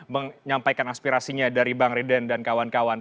menyampaikan aspirasinya dari bang riden dan kawan kawan